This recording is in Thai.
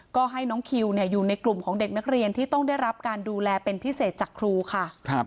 ก็ให้น้องคิวอยู่ในกลุ่มของเด็กนักเรียนที่ต้องได้รับการดูแลเป็นพิเศษจากครูค่ะ